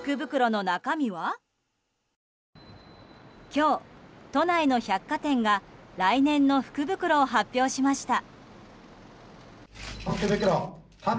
今日、都内の百貨店が来年の福袋を発表しました。